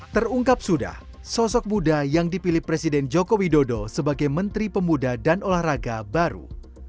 terungkap sudah sosok muda yang dipilih presiden joko widodo sebagai menteri pemuda dan olahraga baru